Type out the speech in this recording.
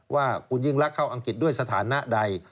ว่ากรุณนี่ยิ่งลักษณ์เข้าอังกฤษด้วยสถานะใด